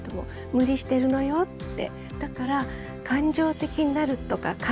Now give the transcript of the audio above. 無理してるのよって。